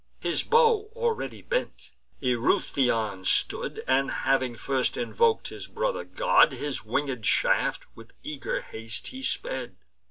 His bow already bent, Eurytion stood; And, having first invok'd his brother god, His winged shaft with eager haste he sped.